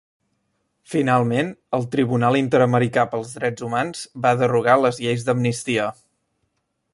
Finalment, el Tribunal Interamericà pels Drets Humans va derogar les lleis d'amnistia.